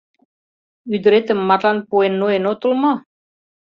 Ӱдыретым марлан пуэн ноен отыл мо?